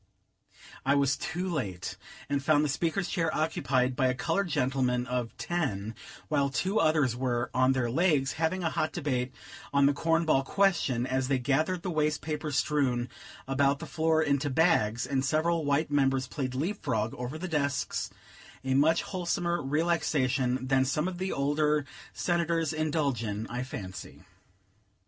I was too late, and found the Speaker's chair occupied by a colored gentleman of ten; while two others were "on their legs," having a hot debate on the cornball question, as they gathered the waste paper strewn about the floor into bags; and several white members played leap frog over the desks, a much wholesomer relaxation than some of the older Senators indulge in, I fancy.